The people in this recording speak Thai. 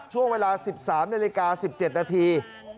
ช่วงเวลา๑๓นาฬิกา๑๗นาที